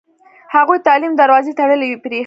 هغوی د تعلیم دروازې تړلې پرېښودې.